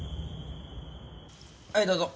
はいどうぞ。